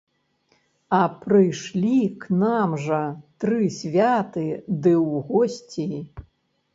А прыйшлі к нам жа тры святы ды ў госці.